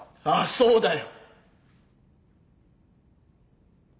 そうだよ。